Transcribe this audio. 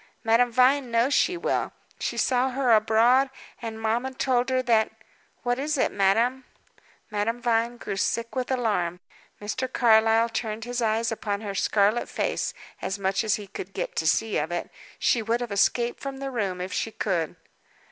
"Madame Vine knows she will. She saw her abroad; and mamma told her that what was it, madame?" Madame Vine grew sick with alarm. Mr. Carlyle turned his eyes upon her scarlet face as much as he could get to see of it. She would have escaped from the room if she could.